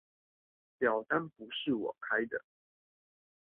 表單不是我開的